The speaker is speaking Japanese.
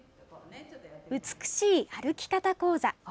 美しい歩き方講座。